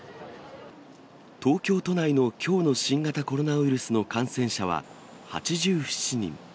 東京都内のきょうの新型コロナウイルスの感染者は、８７人。